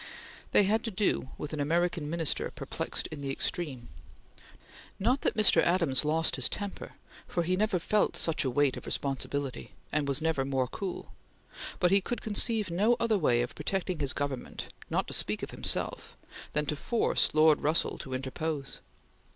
They had to do with American Minister perplexed in the extreme. Not that Mr. Adams lost his temper, for he never felt such a weight of responsibility, and was never more cool; but he could conceive no other way of protecting his Government, not to speak of himself, than to force Lord Russell to interpose.